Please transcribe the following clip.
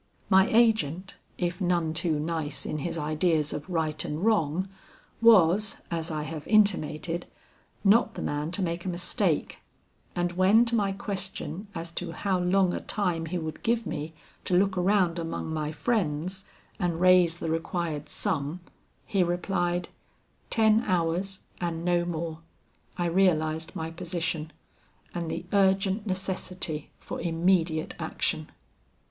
My agent, if none too nice in his ideas of right and wrong, was, as I have intimated, not the man to make a mistake; and when to my question as to how long a time he would give me to look around among my friends and raise the required sum, he replied, 'Ten hours and no more,' I realized my position, and the urgent necessity for immediate action.